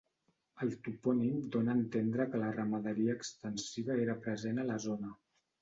El topònim dóna a entendre que la ramaderia extensiva era present a la zona.